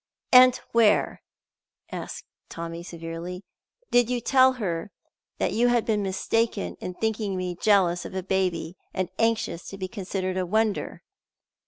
"And where," asked Tommy, severely, "did you tell her that you had been mistaken in thinking me jealous of a baby and anxious to be considered a wonder?"